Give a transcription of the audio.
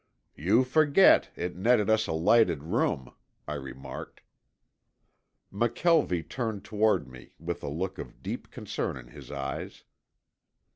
"You forget. It netted us a lighted room," I remarked. McKelvie turned toward me with a look of deep concern in his eyes.